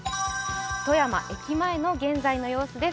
富山駅前の現在の様子です。